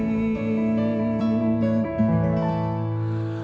dan saya juga merindukanmu